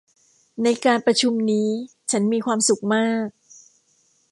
ในการประชุมนี้ฉันมีความสุขมาก